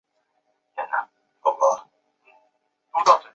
做到政治自觉、法治自觉和检察自觉